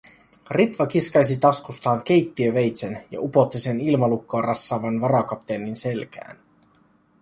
Ritva kiskaisi taskustaan keittiöveitsen ja upotti sen ilmalukkoa rassaavan varakapteenin selkään.